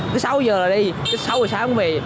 tới sáu h là đi tới sáu h sáng cũng về